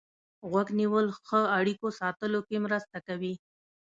غوږ نیول ښه اړیکو ساتلو کې مرسته کوي.